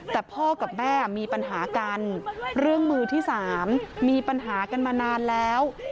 แต่พ่อกับแม่มีปัญหากันเรื่องมือที่สามมีปัญหากันมานานแล้ว